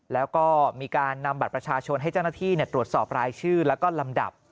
แล้วก็มีการนำบัตรประชาชนให้เจ้าหน้าที่ตรวจสอบรายชื่อแล้วก็ลำดับ